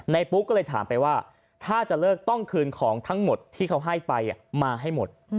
ปุ๊กก็เลยถามไปว่าถ้าจะเลิกต้องคืนของทั้งหมดที่เขาให้ไปมาให้หมด